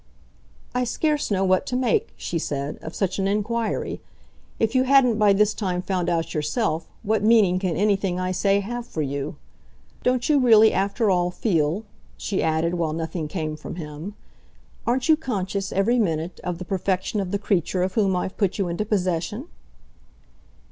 "I scarce know what to make," she said, "of such an inquiry. If you haven't by this time found out yourself, what meaning can anything I say have for you? Don't you really after all feel," she added while nothing came from him "aren't you conscious every minute, of the perfection of the creature of whom I've put you into possession?"